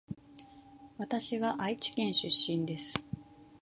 わたしは愛知県出身です